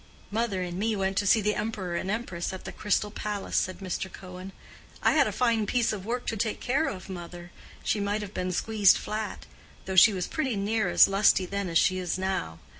"Mother and me went to see the Emperor and Empress at the Crystal Palace," said Mr. Cohen. "I had a fine piece of work to take care of, mother; she might have been squeezed flat—though she was pretty near as lusty then as she is now.